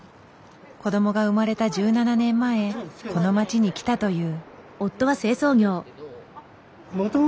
子どもが生まれた１７年前この町に来たという。